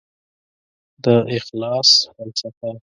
د اخلاص فلسفه